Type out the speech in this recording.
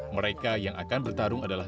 mereka yang akan bertarung adalah